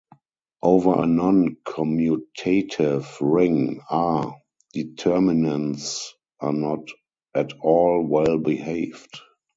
Over a non-commutative ring "R", determinants are not at all well behaved.